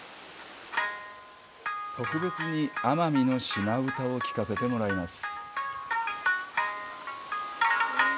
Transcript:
特別に、奄美のシマ唄を聴かせてもらいます。